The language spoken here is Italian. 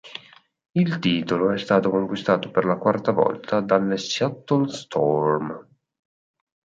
Il titolo è stato conquistato per la quarta volta dalle Seattle Storm.